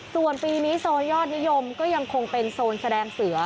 ส่วนปีนี้โซนยอดนิยมก็ยังคงเป็นโซนแสดงเสือ